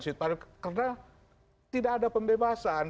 shit pile karena tidak ada pembebasan